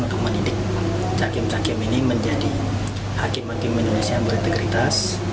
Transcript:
untuk mendidik hakim hakim ini menjadi hakim hakim indonesia yang berintegritas